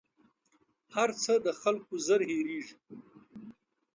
هر څه د خلکو ژر هېرېـږي